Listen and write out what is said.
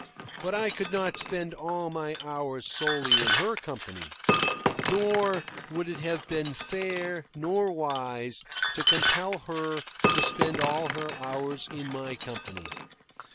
But I could not spend all my hours solely in her company. Nor would it have been fair, nor wise, to compel her to spend all her hours in my company.